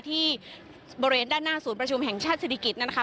ที่บริเวณด้านหน้าศูนย์ประชุมแห่งชาติศิริกิจนะคะ